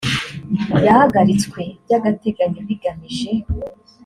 yahagaritswe by agateganyo bigamije